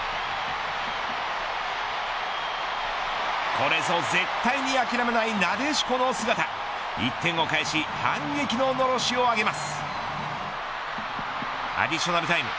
これぞ絶対に諦めないなでしこの姿１点を返し反撃ののろしを上げます。